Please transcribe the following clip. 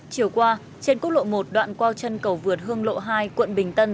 chiều qua trên quốc lộ một đoạn qua chân cầu vượt hương lộ hai quận bình tân